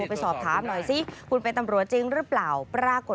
ไปตรวจกลาง